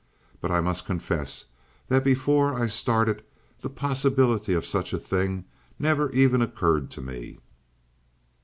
But I must confess that before I started the possibility of such a thing never even occurred to me."